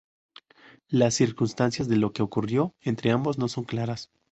Las circunstancias de lo que ocurrió entre ambos no son claras.